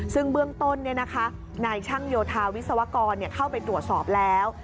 ซึ่งเบื้องต้นนายช่างโยธาวิศวกรเข้าไปตรวจสอบแล้ว